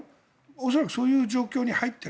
恐らくそういう状況に入っている。